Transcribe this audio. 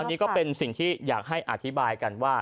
อันนี้ก็เป็นสิ่งที่อยากให้อธิบายกันว่า